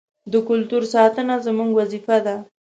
د کلتور ساتنه زموږ وظیفه ده.